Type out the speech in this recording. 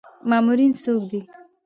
مامورین څوک دي؟